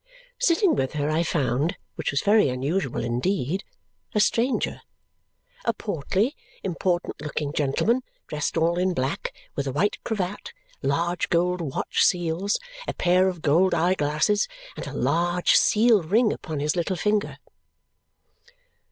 Sitting with her, I found which was very unusual indeed a stranger. A portly, important looking gentleman, dressed all in black, with a white cravat, large gold watch seals, a pair of gold eye glasses, and a large seal ring upon his little finger.